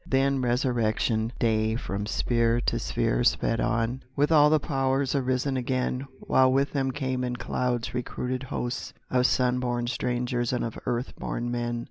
Then resurrection day from sphere to sphere Sped on, with all the POWERS arisen again, While with them came in clouds recruited hosts Of sun born strangers and of earth born men.